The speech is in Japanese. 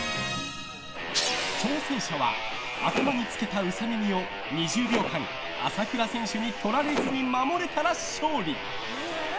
挑戦者は頭につけたウサ耳を２０秒間朝倉選手に取られずに守れたら勝利。